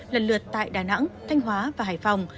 lần lượt tại đà nẵng thanh hóa và hải phòng